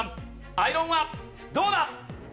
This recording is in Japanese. アイロンはどうだ？